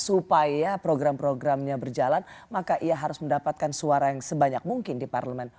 supaya program programnya berjalan maka ia harus mendapatkan suara yang sebanyak mungkin di parlemen